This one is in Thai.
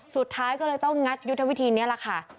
สุดท้ายก็เลยต้องงัดยุทธวิธีนี้แหละค่ะ